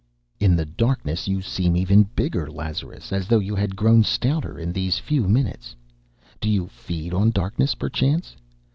"In the darkness you seem even bigger, Lazarus, as though you had grown stouter in these few minutes. Do you feed on darkness, perchance?...